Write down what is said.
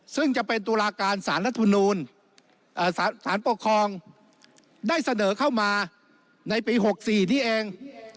ซึ่งจะเป็นตุลาการสารรัฐมนูลสารปกครองได้เสนอเข้ามาในปี๖๔นี้เอง